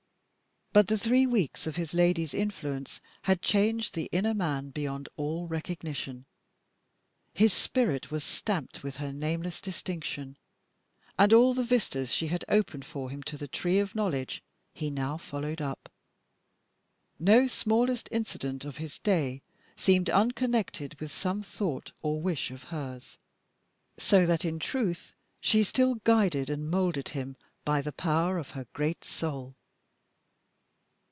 But the three weeks of his lady's influence had changed the inner man beyond all recognition. His spirit was stamped with her nameless distinction, and all the vistas she had opened for him to the tree of knowledge he now followed up. No smallest incident of his day seemed unconnected with some thought or wish of hers so that in truth she still guided and moulded him by the power of her great soul.